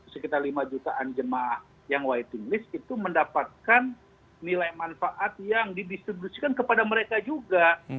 sekitar lima jutaan jemaah yang whiting list itu mendapatkan nilai manfaat yang didistribusikan kepada mereka juga